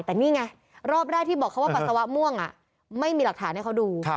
แต่นี่ไงรอบแรกที่บอกเขาว่าปัสสาวะม่วงไม่มีหลักฐานให้เขาดู